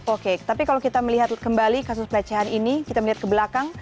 oke tapi kalau kita melihat kembali kasus pelecehan ini kita melihat ke belakang